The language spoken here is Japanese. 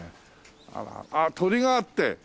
あっ鳥があって。